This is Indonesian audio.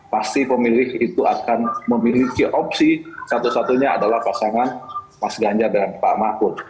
pasti pemilih itu akan memiliki opsi satu satunya adalah pasangan mas ganjar dan pak mahfud